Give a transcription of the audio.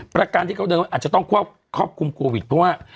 ประการที่เขาเดินว่าอาจจะต้องควบคุมโควิดเพราะว่า